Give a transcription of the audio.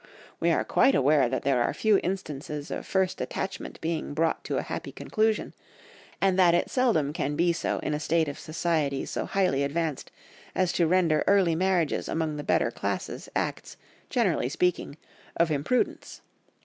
We are quite aware that there are few instances of first attachment being brought to a happy conclusion, and that it seldom can be so in a state of society so highly advanced as to render early marriages among the better classes acts, generally speaking, of imprudence.